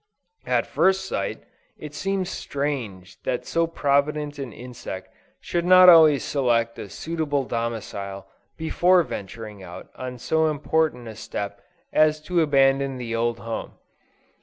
At first sight, it seems strange that so provident an insect should not always select a suitable domicile before venturing on so important a step as to abandon the old home.